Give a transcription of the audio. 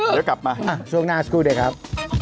เดี๋ยวก็กลับมาอ่ะช่วงหน้าสุดิครับ